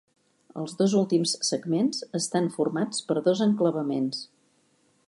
Els dos últims segments estan formats per dos enclavaments.